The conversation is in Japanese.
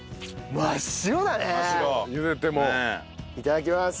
いただきます。